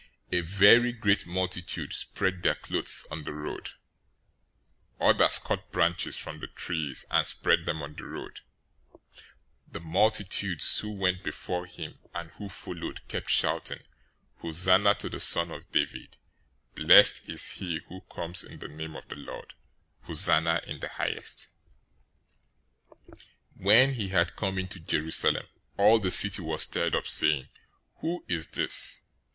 021:008 A very great multitude spread their clothes on the road. Others cut branches from the trees, and spread them on the road. 021:009 The multitudes who went before him, and who followed kept shouting, "Hosanna{"Hosanna" means "save us" or "help us, we pray."} to the son of David! Blessed is he who comes in the name of the Lord! Hosanna in the highest!"{Psalm 118:26} 021:010 When he had come into Jerusalem, all the city was stirred up, saying, "Who is this?"